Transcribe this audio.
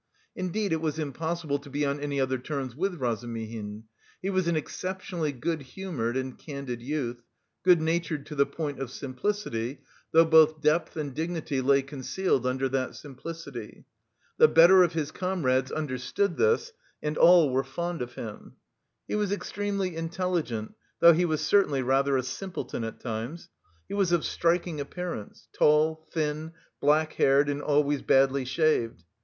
Indeed it was impossible to be on any other terms with Razumihin. He was an exceptionally good humoured and candid youth, good natured to the point of simplicity, though both depth and dignity lay concealed under that simplicity. The better of his comrades understood this, and all were fond of him. He was extremely intelligent, though he was certainly rather a simpleton at times. He was of striking appearance tall, thin, blackhaired and always badly shaved.